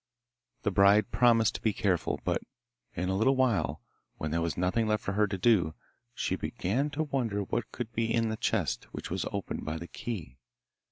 The bride promised to be careful, but in a little while, when there was nothing left for her to do, she began to wonder what could be in the chest, which was opened by the key.